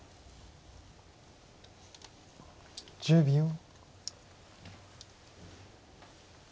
１０秒。